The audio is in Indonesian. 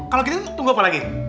kalau gitu tuh tunggu apa lagi